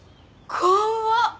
怖っ！